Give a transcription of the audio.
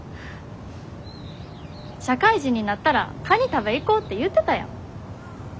社会人になったらカニ食べ行こうって言ってたやん。